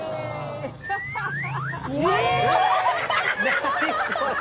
何これ！